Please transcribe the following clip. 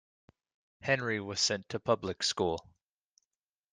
Henry was sent to public school.